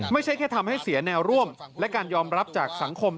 ไม่ใช่แค่ทำให้เสียแนวร่วมและการยอมรับจากสังคม